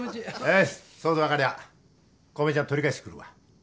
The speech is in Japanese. よしそうとわかりゃ小梅ちゃん取り返してくるわ。